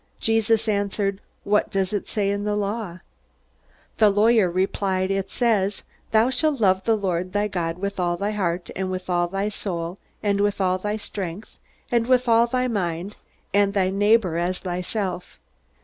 Jesus answered, "What does it say in the Law?" The lawyer replied, "It says, 'Thou shalt love the Lord thy God with all thy heart, and with all thy soul, and with all thy strength, and with all thy mind; and thy neighbor as thyself.'"